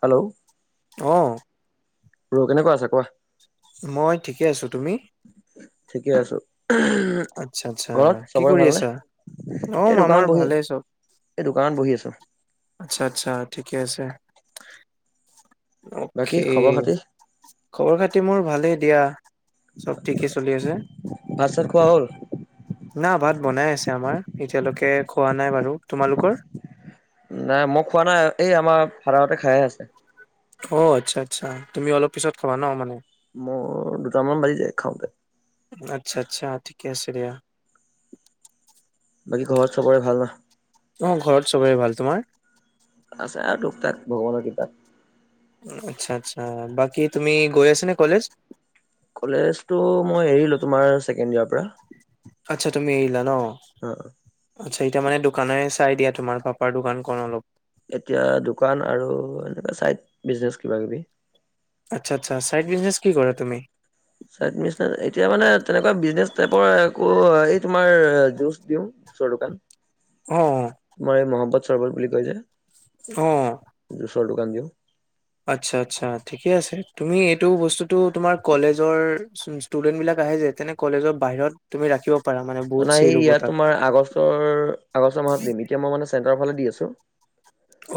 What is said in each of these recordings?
Hello অ' ৰ কেনেকুৱা আছা কোৱা মই ঠিকে আছো তুমি? ঠিকে আছো আচ্ছা, আচ্ছা, ঘৰত কি চবৰে কৰি ভালনে আছা? অ', এই আমাৰ দোকানত বহি আ ভালেই চব। এই দোকানত বহি আছো আচ্ছা আচ্ছা ঠিকে আছে। অ', বাকী খবৰ খাতি খবৰ খাতি মোৰ ভালেই দিয়া চব ঠিকে চলি আছে ভাত চাত খোৱা হ'ল না ভাত বনাই আছে আমাৰ এতিয়ালৈকে খোৱা নাই বাৰু তোমালোকৰ নাই মই খোৱা নাই এই আমাৰ ফাডাৰহঁতে খাই আছে অ', আচ্ছা আচ্ছা তুমি অলপ পিছত খাবা ন মোৰ দুটামান বাাজি যায় খাওঁতে আচ্ছা, আচ্ছা, [unintelligible] অ', বাকী চবৰে ভাল ন ঘৰত চবৰে ভাল তোমাৰ আছে আৰু তুক তাক ভগৱানৰ কৃপাত আচ্ছা আচ্ছা বাকী তুমি গৈ আছা নে কলেজ- কলেজতো মই এৰিলোঁ তোমাৰ ছেকেণ্ড ইয়াৰ আচ্ছা তুমি এৰিলা ন অ এতিয়া মানে দোকানে চাই দিয়া তোমাৰ পাপাৰ দোকান খন অলপ এতিয়া দোকান আৰু এনেকে চাইড বিজনেচ কিবা কিবি আচ্ছা আচ্ছা চাইড বিজনেচ কি কৰা তুমি? চাইড বিজনেচ এতিয়া মানে তেনেকুৱা বিজনেচ টাইপৰ একো এইটো তোমাৰ জুচ দিওঁ ওচৰ দোকান। অ', মই মহাব্বাত। চৰ্বত বুলি কয় যে। অ', চৰ দোকান যে। আচ্ছা -আচ্ছা ঠিকে আছে তুমি এইটো বস্তুটো তোমাৰ কলেজৰ ষ্টোডেন্ট বিলাক আহে যে তেনে কলেজৰ বাহিৰত তুমি ৰাখিব পাৰা মানে অ বহুত নাই চেল হ'ব ইয়াত তাত। তোমাৰ আগষ্টৰ আগষ্ট মাহত দিম এতিয়া মই মান ৰ ফালে দি আছো।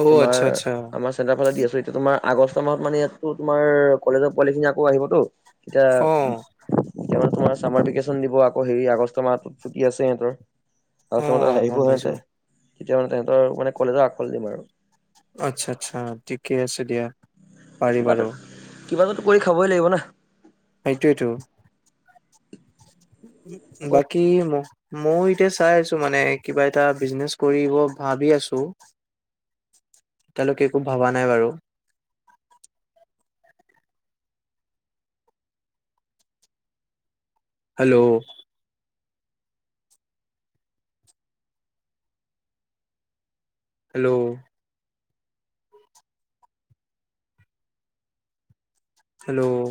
অ', তোমাৰ আচ্ছা, আচ্ছা আমাৰ চেণ্টাৰ ফালে দি আছো এতিয়া তোমাৰ আগষ্ট মাহত মানে ইয়াত তোমাৰ কলেজৰ পোৱালি খিনি আকৌ আহিবতো। এতিয়া অ', তোমাৰ চামাৰ ভেকেশচন দিব আকৌ হেৰি আগ তোমাৰ চুটি আছে সিহতৰ। আৰু তোমাৰ অঁ, অ', গম হেৰীবোৰ হয় পাইছো যে। তেতিয়া মানে তেহঁতৰ মানে কলেজৰ আ গফালে দিম আৰু। আচ্ছা আচ্ছা ঠিকে আছে দিয়া। পাৰি কিবা এটা বাৰু। কিবা এটাটো কৰি খাবই লাগিব না। সেইটোৱেটো। বাকী মই এতিয়া চাই আছো মানে কিবা এটা বিজনেছ কৰিব ভাবি আছো এতিয়ালৈকে একো ভবা নাই বাৰু। Hello hello hello